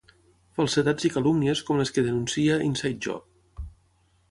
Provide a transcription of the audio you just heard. Falsedats i calúmnies com les que denuncia “Inside Job”.